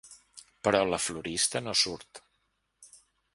Però la florista no surt.